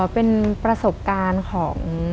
เป็นประสบการณ์ของ